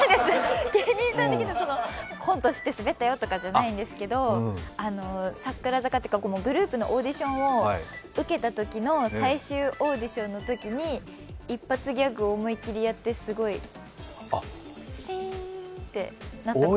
芸人さん的な、コントして滑ったよとかじゃないですけどグループのオーディションを受けたときの最終オーディションのときに一発ギャグを思いっきりやって、すごい、シーンってなったことが。